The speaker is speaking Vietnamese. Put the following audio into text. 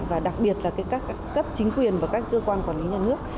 và đặc biệt là các cấp chính quyền và các cơ quan quản lý nhà nước